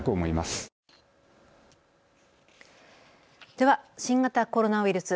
では新型コロナウイルス。